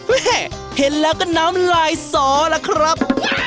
เฮ่เฮ่เห็นแล้วก็น้ำหลายสอแหละครับ